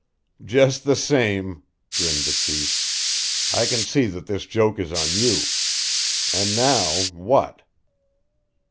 "Just the same," grinned the chief, "I can see that this joke is on you! And now what?"